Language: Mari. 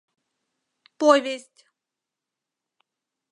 ПОВЕСТЬ